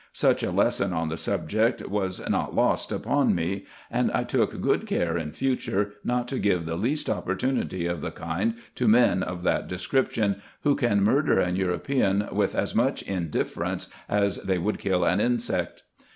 Such a lesson on the subject was not lost upon me ; and I took good care, in future, not to give the least oppor tunity of the kind to men of that description, who can murder an European with as much indifference as they would kill an insect.